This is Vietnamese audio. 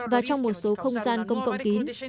và trong một số không gian công cộng kín